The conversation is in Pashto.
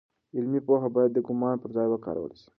علمي پوهه باید د ګومان پر ځای وکارول سي.